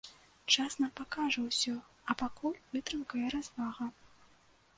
Час нам пакажа ўсё, а пакуль вытрымка і развага.